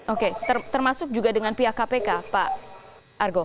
oke termasuk juga dengan pihak kpk pak argo